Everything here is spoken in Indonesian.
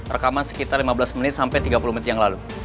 rekaman sekitar lima belas menit sampai tiga puluh menit yang lalu